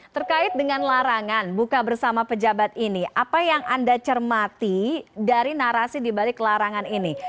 terkait dengan larangan buka bersama pejabat ini apa yang anda cermati dari narasi dibalik larangan ini